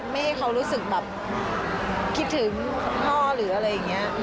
ไม่ให้เขารู้สึกแบบคิดถึงพ่อหรืออะไรอย่างนี้